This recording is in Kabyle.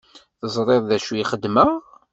Teẓriḍ d acu i xedmeɣ?